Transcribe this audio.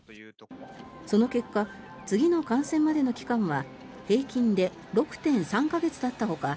その結果、次の感染までの期間は平均で６．３か月だったほか